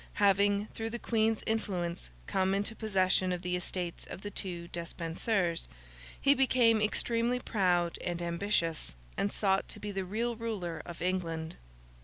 Having, through the Queen's influence, come into possession of the estates of the two Despensers, he became extremely proud and ambitious, and sought to be the real ruler of England.